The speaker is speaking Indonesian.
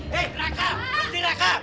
hei raka berhenti raka